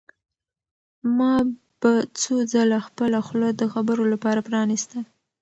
ما به څو ځله خپله خوله د خبرو لپاره پرانیسته.